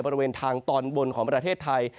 บริเวณทางตอนบนของประเทศไทย